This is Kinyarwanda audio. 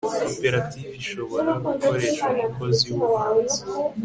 koperative ishobora gukoreresha umukozi wo hanze